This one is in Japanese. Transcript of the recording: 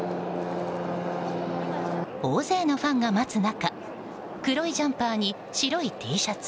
大勢のファンが待つ中黒いジャンパーに白いＴシャツ